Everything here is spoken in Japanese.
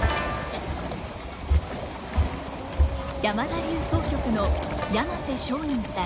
山田流箏曲の山勢松韻さん。